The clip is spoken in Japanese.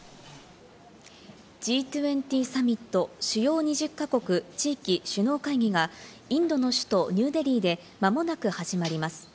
Ｇ２０サミット＝主要２０か国・地域首脳会議がインドの首都ニューデリーでまもなく始まります。